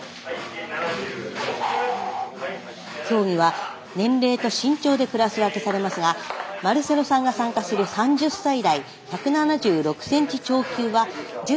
競技は年齢と身長でクラス分けされますがマルセロさんが参加する３０歳代１７６ｃｍ超級は１０人がエントリー。